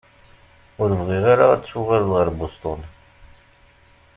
Ur bɣiɣ ara ad tuɣaleḍ ar Boston.